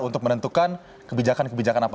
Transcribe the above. untuk menentukan kebijakan kebijakan apa